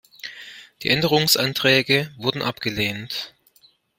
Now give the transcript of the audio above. Die Änderungsanträge wurden abgelehnt.